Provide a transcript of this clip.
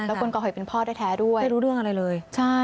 และก้นก่อหอยเป็นพ่อได้แท้ด้วย